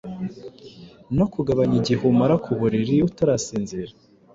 no kugabanya igihe umara ku buriri utarasinzira.